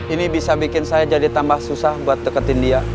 ini bisa bikin saya jadi tambah susah buat deketin dia